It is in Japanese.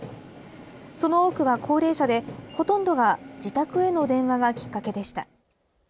その多くは高齢者でほとんどが自宅への電話がきっかけでした。